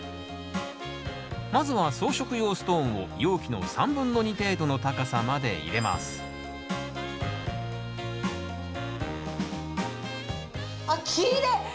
まずは装飾用ストーンを容器の３分の２程度の高さまで入れますあっきれい！